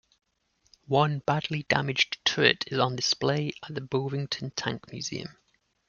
One badly damaged turret is on display at the Bovington Tank Museum.